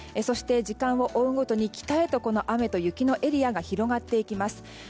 そして時間を追うごとに北へと雨と雪のエリアが広がっていきます。